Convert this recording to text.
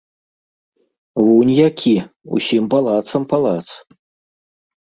Вунь які, усім палацам палац!